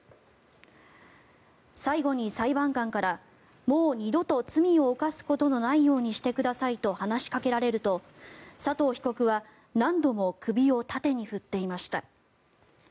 最後に裁判官からもう二度と罪を犯すことのないようにしてくださいと話しかけられると、佐藤被告は何度も首を縦に振っていました。